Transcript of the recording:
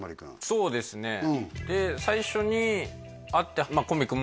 そうですねで最初に会ってコンビ組